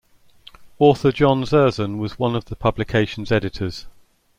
Author John Zerzan was one of the publication's editors.